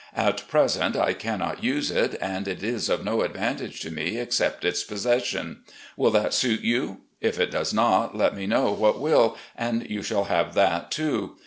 At present, I cannot use it, and it is of no advantage to me, except its possession. Will that suit you ? If it does not, let me know what will, and you shall have that, too.